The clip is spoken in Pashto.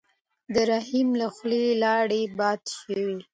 د رحیم له خولې لاړې باد شوې.